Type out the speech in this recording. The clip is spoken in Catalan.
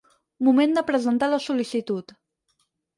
Moment de presentar la sol·licitud.